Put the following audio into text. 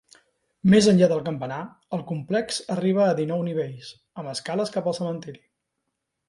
Més enllà del campanar, el complex arriba a dinou nivells, amb escales cap al cementiri.